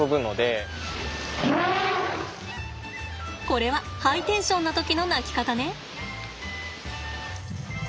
これはハイテンションな時の鳴き方ね。